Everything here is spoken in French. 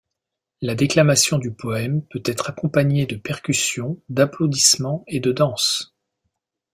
La déclamation du poème peut être accompagnée de percussions, d'applaudissements et de danses.